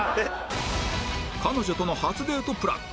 彼女との初デートプラン